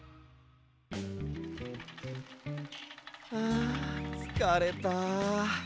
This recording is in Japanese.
あつかれた。